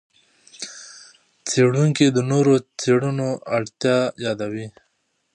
څېړونکي د نورو څېړنو اړتیا یادوي.